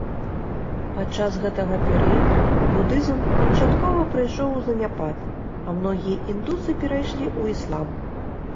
Падчас гэтага перыяду будызм канчаткова прыйшоў у заняпад, а многія індусы перайшлі ў іслам.